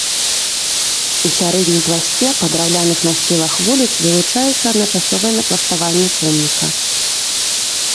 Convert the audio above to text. У сярэднім пласце па драўляных насцілах вуліц вылучаюцца адначасовыя напластаванні помніка.